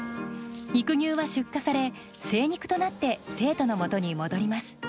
肉牛は出荷され精肉となって生徒のもとに戻ります。